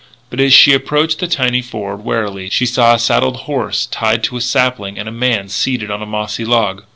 But as she approached the tiny ford, warily, she saw a saddled horse tied to a sapling and a man seated on a mossy log.